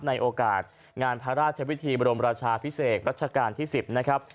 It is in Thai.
ในโอกาสงานพระราชวิธีบรมราชาพิเศษรัชกาลที่๑๐นะครับ